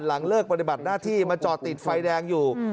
หลังเลิกปฏิบัติหน้าที่มาจอดติดไฟแดงอยู่